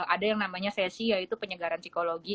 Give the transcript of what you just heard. ada yang namanya sesi yaitu penyegaran psikologi